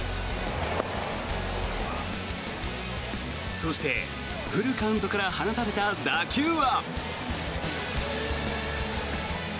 そして、フルカウントから放たれた打球は。